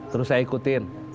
terus saya ikutin